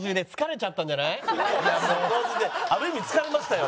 ある意味疲れましたよ。